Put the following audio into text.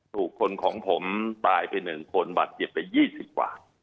ถูกคนของผมตายไปหนึ่งโคนบัดเจ็บไปยี่สิบกว่า